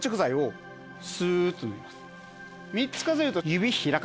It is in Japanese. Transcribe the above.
３つ数えると。